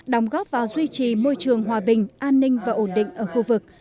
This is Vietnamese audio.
đóng góp vào duy trì môi trường hòa bình an ninh và ổn định ở khu vực